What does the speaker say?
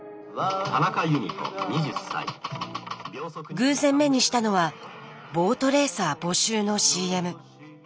偶然目にしたのはボートレーサー募集のＣＭ。